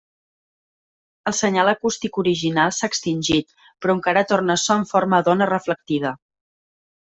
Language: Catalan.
El senyal acústic original s'ha extingit, però encara torna so en forma d'ona reflectida.